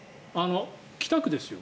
北区ですよ。